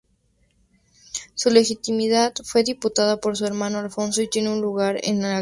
Su legitimidad fue disputada por su hermano Alfonso y tiene lugar una guerra civil.